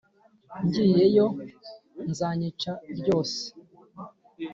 ngiyeyo zanyica.ryose